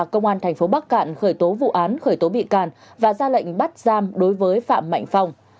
công an thành phố bắc cạn khởi tố vụ án khởi tố bị càn và ra lệnh bắt giam đối với phạm mạnh phong